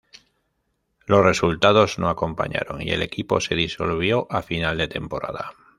Los resultados no acompañaron y el equipo se disolvió a final de temporada.